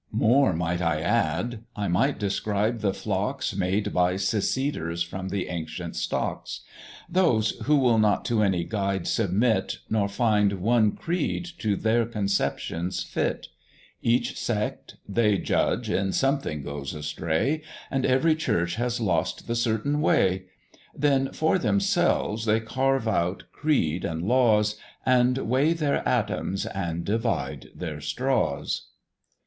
More might I add: I might describe the flocks Made by Seceders from the ancient stocks; Those who will not to any guide submit, Nor find one creed to their conceptions fit Each sect, they judge, in something goes astray, And every church has lost the certain way! Then for themselves they carve out creed and laws, And weigh their atoms, and divide their straws.